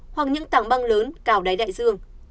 hoặc những tảng băng lớn cào đáy đại dương